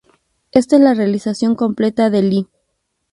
Esta es la realización completa del li.